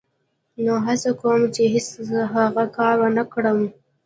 نو هڅه کوم چې هېڅ هغه کار و نه کړم.